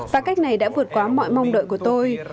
và cách này đã vượt qua mọi mong đợi của tôi